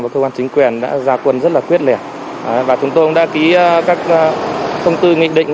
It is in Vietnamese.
và cơ quan chính quyền đã ra quân rất là quyết liệt và chúng tôi cũng đã ký các thông tư nghị định